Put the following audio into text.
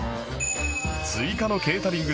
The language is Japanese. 追加のケータリング